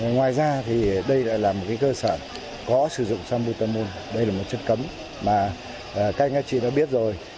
ngoài ra thì đây là một cơ sở có sử dụng sanbutamol đây là một chất cấm mà các nhà chị đã biết rồi